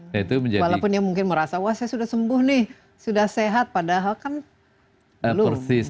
walaupun yang mungkin merasa wah saya sudah sembuh nih sudah sehat padahal kan lulus